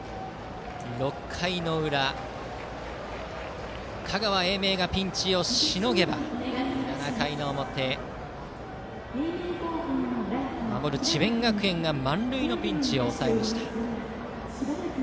６回の裏香川・英明がピンチをしのげば７回の表、守る智弁学園が満塁のピンチを抑えました。